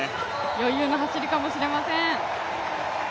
余裕の走りかもしれません。